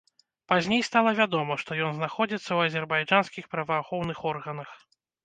Пазней стала вядома, што ён знаходзіцца ў азербайджанскіх праваахоўных органах.